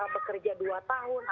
bekerja dua tahun